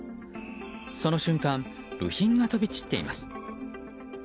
その瞬間部品が飛び散っています。